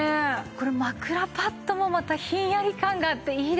これ枕パッドもまたひんやり感があっていいですね。